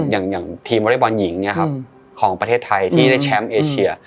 อย่างทีมวอเล็กบอลหญิงของประเทศไทยที่ได้แชมป์เอเชีย